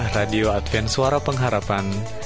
radio advent suara pengharapan